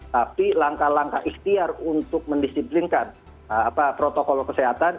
tapi langkah langkah ikhtiar untuk mendisiplinkan protokol kesehatan